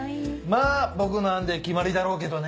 まぁ僕の案で決まりだろうけどね。